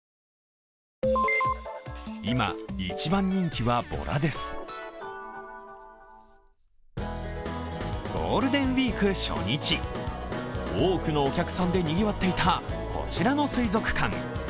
この結果にゴールデンウイーク初日、多くのお客さんでにぎわっていたこちらの水族館。